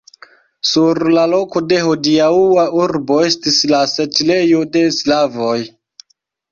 Sur la loko de hodiaŭa urbo estis la setlejo de slavoj.